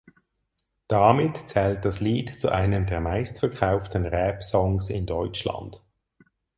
Damit zählt das Lied zu einem der meistverkauften Rapsongs in Deutschland.